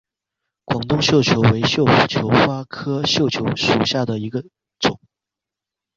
广东绣球为绣球花科绣球属下的一个种。